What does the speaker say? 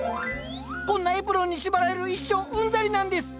こんなエプロンに縛られる一生うんざりなんです。